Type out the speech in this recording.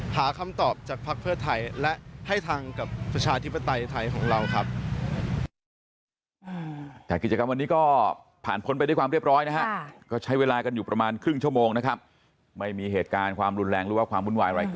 หาคำตอบจากภักดิ์เพื่อไทยและให้ทางกับประชาธิปไตยไทยของเราครับ